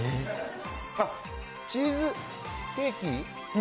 あっ、チーズケーキ？